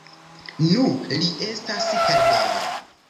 Nu, li estas Herbeno!